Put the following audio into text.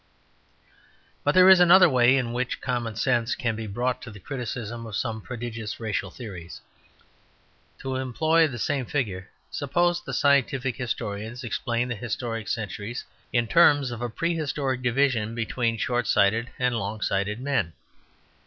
But there is another way in which common sense can be brought to the criticism of some prodigious racial theories. To employ the same figure, suppose the scientific historians explain the historic centuries in terms of a prehistoric division between short sighted and long sighted men.